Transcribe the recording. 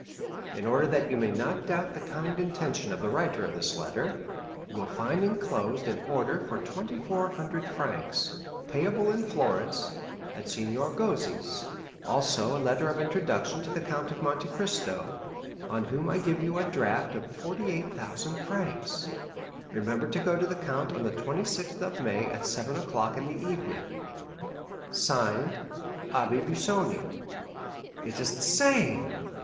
In order that you may not doubt the kind intention of the writer of this letter, you will find enclosed an order for 2,400 francs, payable in Florence, at Signor Gozzi's; also a letter of introduction to the Count of Monte Cristo, on whom I give you a draft of 48,000 francs. Remember to go to the count on the 26th May at seven o'clock in the evening. "(Signed) 'Abbé Busoni.'" "It is the same."